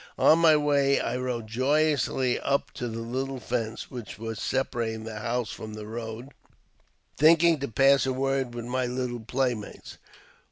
On my way I rode joyously up to the little fence which separated the house from the road, thinking to pass a word with my little playmates.